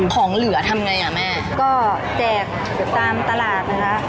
ของเหลือทำไงอ่ะแม่ก็แจกตามตลาดนะคะ